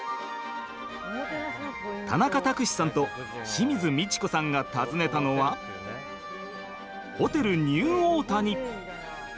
田中卓志さんと清水ミチコさんが訪ねたのはホテルニューオータニ。